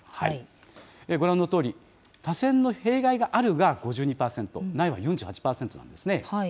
ご覧のとおり、多選の弊害があるが５２％、ないは４８％なんですね。